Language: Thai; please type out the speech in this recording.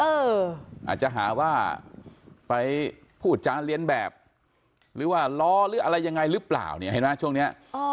อาจจะหาว่าไปพูดจาเรียนแบบหรือว่าล้อหรืออะไรยังไงหรือเปล่าเนี่ยเห็นไหมช่วงนี้